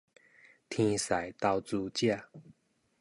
天使投資者